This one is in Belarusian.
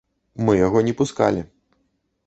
Мы яго не пускалі.